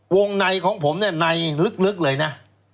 ในของผมเนี่ยในลึกเลยนะ